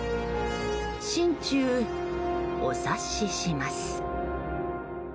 心中お察しします。